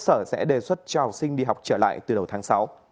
sở sẽ đề xuất cho học sinh đi học trở lại từ đầu tháng sáu